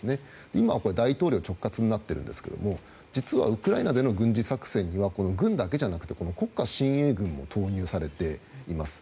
今、大統領直轄になってるんですが実はウクライナでの軍事作戦は軍だけでなく国家親衛軍も投入されています。